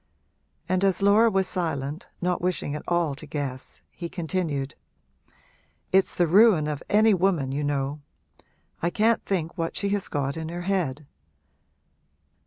And as Laura was silent, not wishing at all to guess, he continued 'It's the ruin of any woman, you know; I can't think what she has got in her head.'